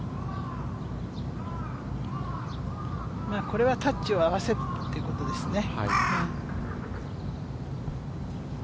これはタッチを合わせるということですね。